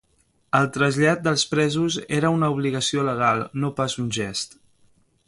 El trasllat dels presos era una obligació legal, no pas un gest.